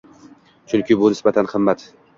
Chunki bu nisbatan qimmat